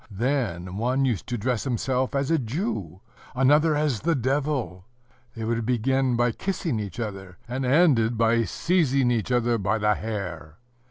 then one used to dress himself as a Jew, another as the Devil: they would begin by kissing each other, and ended by seizing each other by the hair.